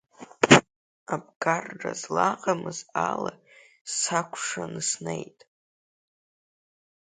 Абгарра злаҟамыз ала сакәшаны снеит.